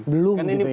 belum gitu ya